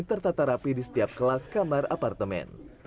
tertata rapi di setiap kelas kamar apartemen